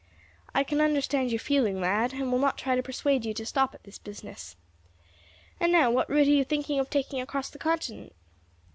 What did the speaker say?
"I can understand your feeling, lad, and will not try to persuade you to stop at this business. And now, what route are you thinking of taking across the continent?"